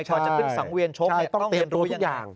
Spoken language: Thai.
ก่อนจะขึ้นสังเวียนชกต้องเรียนรู้ทุกอย่าง